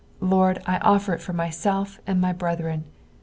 Lord, I offer it for myself and my brethren.